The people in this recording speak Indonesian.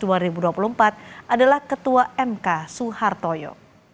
pertama di tahun dua ribu dua puluh empat adalah ketua mk suhartoyo